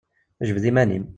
Jbed iman-im!